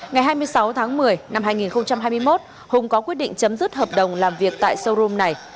ngày hai mươi sáu tháng một mươi năm hai nghìn hai mươi một hùng có quyết định chấm dứt hợp đồng làm việc tại showroom này